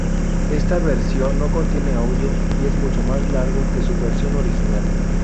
Esta versión no contiene audio y es mucho más largo que su versión original.